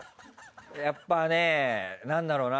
やっぱねなんだろうな